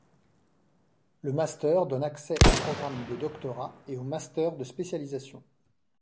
Le master donne accès aux programmes de doctorat et aux masters de spécialisation.